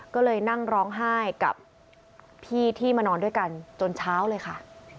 ก็เลยนั่งร้องไห้กับพี่ที่มานอนด้วยกันจนเช้าเลยค่ะ